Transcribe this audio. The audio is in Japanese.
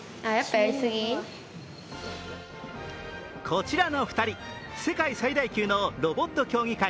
こちらの２人、世界最大級のロボット競技会